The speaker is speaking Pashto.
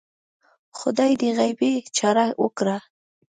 خدای دې غیبي چاره وکړه